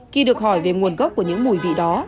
khi được hỏi về nguồn gốc của những mùi vị đó